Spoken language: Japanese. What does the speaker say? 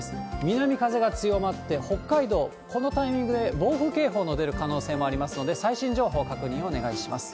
南風が強まって、北海道、このタイミングで暴風警報の出る可能性もありますので、最新情報確認をお願いします。